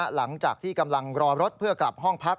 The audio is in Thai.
หลังจากที่กำลังรอรถเพื่อกลับห้องพัก